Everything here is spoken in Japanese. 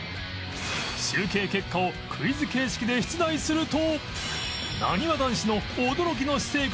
集計結果をクイズ形式で出題すると